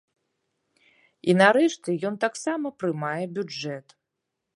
І, нарэшце, ён таксама прымае бюджэт.